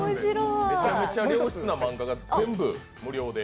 めちゃめちゃ良質な漫画が全部無料で。